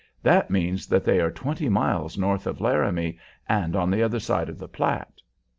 "That means that they are twenty miles north of Laramie, and on the other side of the Platte."